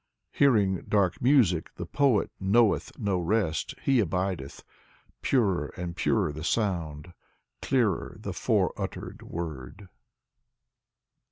Hearing dark music, the poet knoweth no rest; he abideth — Purer and purer the sound, clearer the fore uttered word.